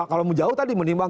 kalau jauh tadi menimbang